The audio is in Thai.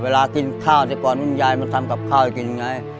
เวลากินข้าวแต่ก่อนยายมันทำกับข้าวให้กินไง